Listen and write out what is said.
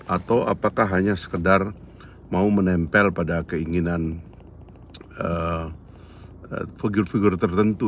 atau apakah hanya sekedar mau menempel pada keinginan figur figur tertentu